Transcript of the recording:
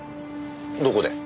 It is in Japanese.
どこで？